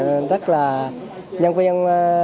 thì rất là nhân viên